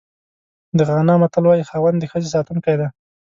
د غانا متل وایي خاوند د ښځې ساتونکی دی.